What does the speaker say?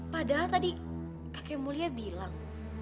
padahal tadi kakek mulia bilang